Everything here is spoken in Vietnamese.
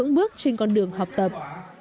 ước trên con đường học tập